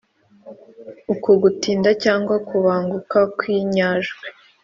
uku gutinda cyangwa kubanguka kw'inyajwi